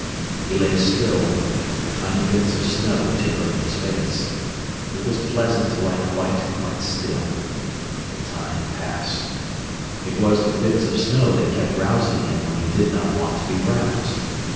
He lay still, with tiny bits of snow tickling his face. It was pleasant to lie quite, quite still. The time passed. It was the bits of snow that kept rousing him when he did not want to be roused.